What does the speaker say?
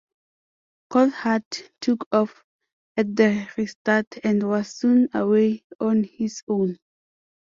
Coulthard took off at the restart and was soon away on his own.